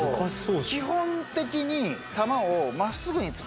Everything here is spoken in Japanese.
基本的に。